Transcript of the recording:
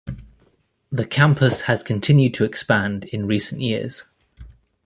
The campus has continued to expand in recent years.